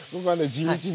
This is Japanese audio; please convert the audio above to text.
地道に。